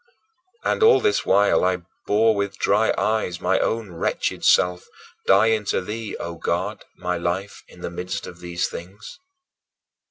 And all this while I bore with dry eyes my own wretched self dying to thee, O God, my life, in the midst of these things.